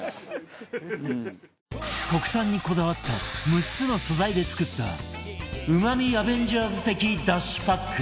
国産にこだわった６つの素材で作った旨味アベンジャーズ的だしパック